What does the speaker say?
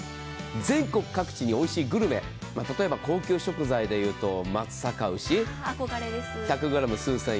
全国各地においしいグルメ、例えば高級食材でいうと松阪牛１００ｇ、数千円。